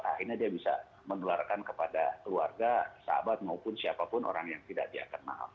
akhirnya dia bisa mengeluarkan kepada keluarga sahabat maupun siapapun orang yang tidak dia kenal